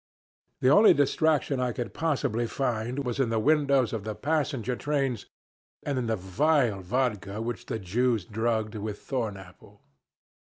The only distraction I could possibly find was in the windows of the passenger trains, and in the vile vodka which the Jews drugged with thorn apple.